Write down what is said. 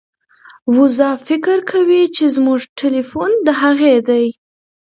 وزه فکر کوي چې زموږ ټیلیفون د هغې دی.